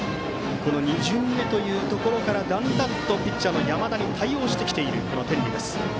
２巡目というところからだんだんとピッチャーの山田に対応してきている天理です。